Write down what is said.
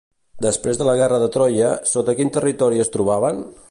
Després de la guerra de Troia, sota quin territori es trobaven?